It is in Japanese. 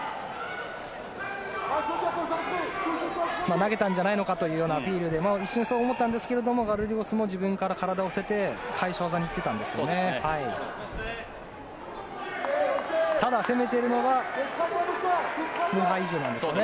投げたんじゃないかというアピールだと一瞬そう思ったんですがガルリゴスも自分から体を伏せて返し技に行っていたんですよね。